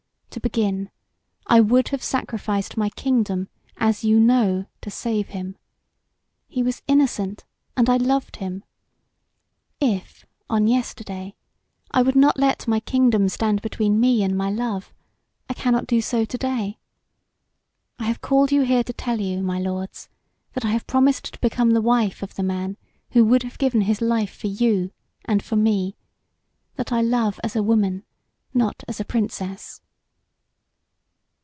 To begin, I would have sacrificed my kingdom, as you know, to save him. He was innocent and I loved him. If, on yesterday, I would not let my kingdom stand between me and my love, I cannot do so to day. I have called you here to tell you, my lords, that I have promised to become the wife of the man who would have given his life for you and for me that I love as a woman, not as a Princess."